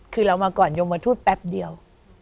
คือเรามาก่อนยมทูตแป๊บเดียว